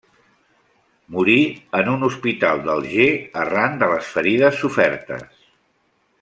Morí en un hospital d'Alger arran de les ferides sofertes.